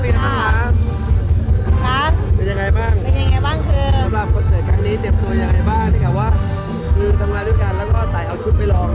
เนี่ยกะว่าคือทำรายด้วยกันแล้วถ่ายเอาชุดไปลอง